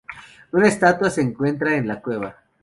Una estatua se encuentra en la cueva.